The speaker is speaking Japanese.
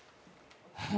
フフ。